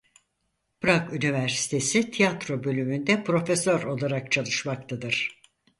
Prag Üniversitesi Tiyatro Bölümünde profesör olarak çalışmaktadır.